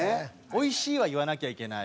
「おいしい」は言わなきゃいけない。